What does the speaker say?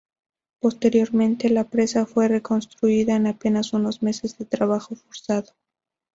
Posteriormente la presa fue reconstruida en apenas unos meses de trabajo forzado.